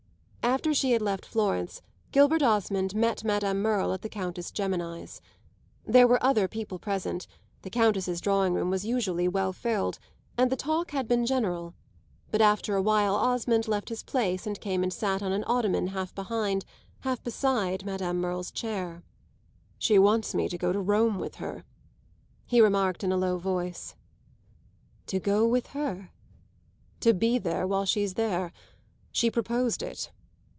After she had left Florence Gilbert Osmond met Madame Merle at the Countess Gemini's. There were other people present; the Countess's drawing room was usually well filled, and the talk had been general, but after a while Osmond left his place and came and sat on an ottoman half behind, half beside Madame Merle's chair. "She wants me to go to Rome with her," he remarked in a low voice. "To go with her?" "To be there while she's there. She proposed it.